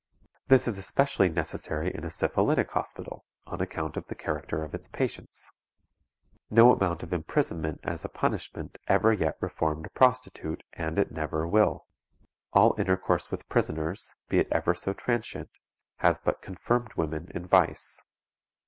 This is especially necessary in a syphilitic hospital, on account of the character of its patients. _No amount of imprisonment as a punishment ever yet reformed a prostitute, and it never will; all intercourse with prisoners, be it ever so transient, has but confirmed women in vice.